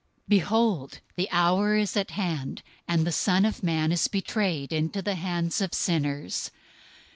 Behold, the hour is at hand, and the Son of Man is betrayed into the hands of sinners.